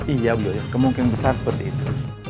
iya beliau kemungkinan besar seperti itu